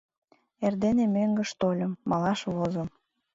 Эрдене мӧҥгыш тольым, малаш возым.